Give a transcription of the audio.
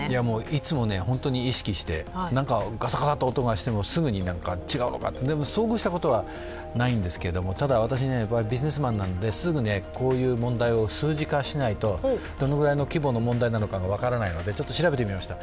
いつも本当に意識して何かガサガサッと音がしてもすぐに違うのかなって、でも遭遇したことはないんですけど、私、ビジネスマンなのですぐこういう問題を数字化しないと、どのくらいの規模の問題か分からないので、ちょっと調べてみました。